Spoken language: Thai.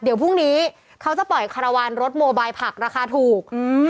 เดี๋ยวพรุ่งนี้เขาจะปล่อยคารวาลรถโมบายผักราคาถูกอืม